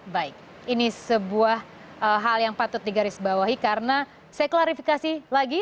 baik ini sebuah hal yang patut digarisbawahi karena saya klarifikasi lagi